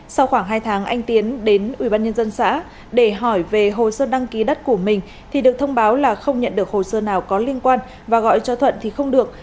sau khoảng hai tháng anh tiến đến ubnd xã để hỏi về hồ sơ đăng ký đất của mình thì được thông báo là không nhận được hồ sơ nào có liên quan và gọi cho thuận thì không được